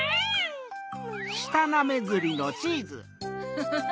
フフフ。